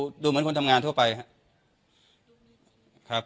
ไม่นะครับก็ดูเหมือนคนทำงานทั่วไปครับ